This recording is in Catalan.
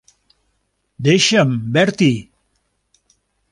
Deixa'm, Bertie.